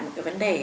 một cái vấn đề